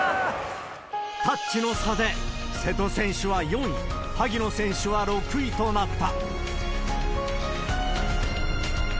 タッチの差で、瀬戸選手は４位、萩野選手は６位となった。